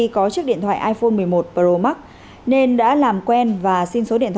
có chiếc điện thoại iphone một mươi một pro max